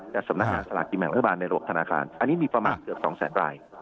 สำนักงานสลากกินแบ่งรัฐบาลในระบบธนาคารอันนี้มีประมาณเกือบ๒แสนราย